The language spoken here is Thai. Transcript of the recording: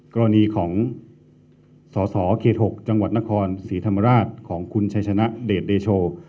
กรณีของสสเขต๖จังหวัดนครศรีธรรมราชของคุณชัยชนะเดชเดโช